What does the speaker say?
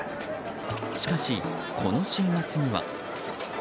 しかし、この週末には。